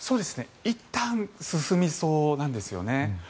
いったん進みそうなんですよね。